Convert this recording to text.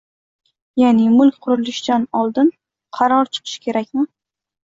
Ya’ni mulk qurilishidan oldin qaror chiqishi kerakmi?